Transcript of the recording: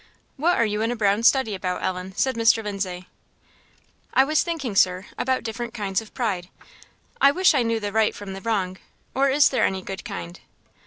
"What are you in a 'brown study' about, Ellen?" said Mr. Lindsay? "I was thinking, Sir, about different kinds of pride; I wish I knew the right from the wrong or is there any good kind?"